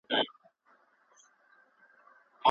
هغه د ښاري او صحرايي ټولنو توپير بيان کړ.